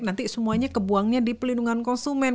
nanti semuanya kebuangnya di pelindungan konsumen